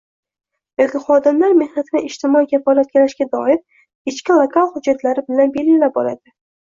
yoki xodimlar mehnatini ijtimoiy kafolatlashga doir ichki lokal hujjatlari bilan belgilab oladi